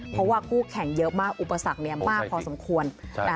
เพราะว่าคู่แข่งเยอะมากอุปสรรคมากพอสมควร